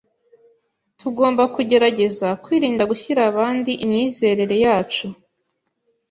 Tugomba kugerageza kwirinda gushyira abandi imyizerere yacu.